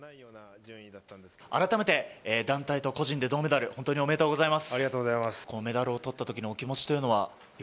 改めて団体と個人で銅メダル本当におめでとうございます。